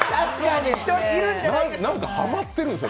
何かはまってるんですか。